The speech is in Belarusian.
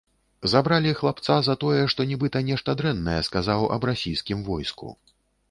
Забралі хлапца за тое, што нібыта нешта дрэннае сказаў аб расійскім войску.